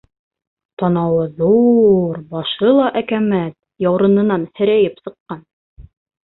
Танауы ҙур, башы ла әкәмәт, яурынынан һерәйеп сыҡҡан!